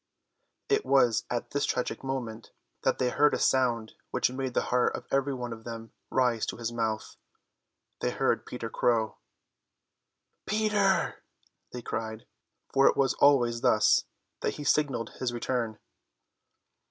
It was at this tragic moment that they heard a sound which made the heart of every one of them rise to his mouth. They heard Peter crow. "Peter!" they cried, for it was always thus that he signalled his return.